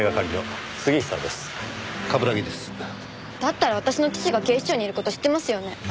だったら私の父が警視庁にいる事知ってますよね？